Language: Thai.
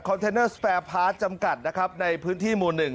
คอนเทนเนอร์สแฟร์พาร์สจำกัดนะครับในพื้นที่หมู่หนึ่ง